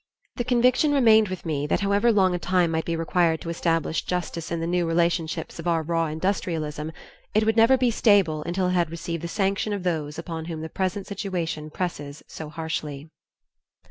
The conviction remained with me, that however long a time might be required to establish justice in the new relationships of our raw industrialism, it would never be stable until it had received the sanction of those upon whom the present situation presses so harshly.